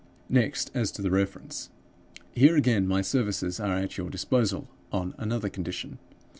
"Next, as to the reference. "Here, again, my services are at your disposal, on another condition.